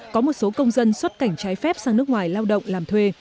có một số công dân xuất cảnh trái phép sang nước ngoài lao động làm thuê